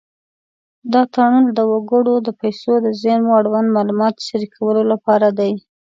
دا تړون د وګړو د پیسو د زېرمو اړوند معلومات شریکولو لپاره دی.